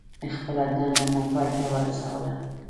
خپله دنده مو پای ته ورسوله.